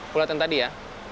gue liat yang tadi ya